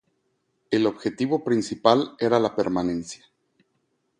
El objetivo principal era la permanencia.